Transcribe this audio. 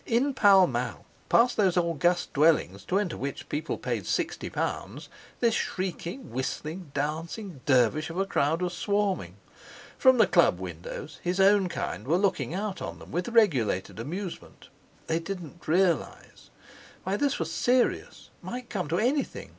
In Pall Mall, past those august dwellings, to enter which people paid sixty pounds, this shrieking, whistling, dancing dervish of a crowd was swarming. From the Club windows his own kind were looking out on them with regulated amusement. They didn't realise! Why, this was serious—might come to anything!